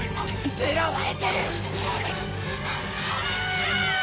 狙われてる。